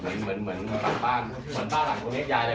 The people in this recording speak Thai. เหมือนเหมือนหลังบ้านเหมือนบ้านหลังตรงเนี้ยยายเลย